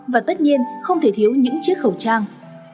và tất nhiên không thể thiếu những chiếc khẩu trang